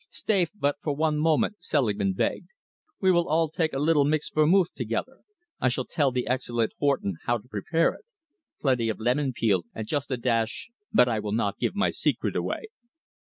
"Stay but for one moment," Selingman begged. "We will all take a little mixed vermouth together. I shall tell the excellent Horton how to prepare it. Plenty of lemon peel, and just a dash but I will not give my secret away."